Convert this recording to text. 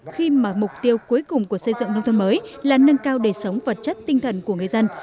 khi mà mục tiêu cuối cùng của xây dựng nông thôn mới là nâng cao đời sống vật chất tinh thần của người dân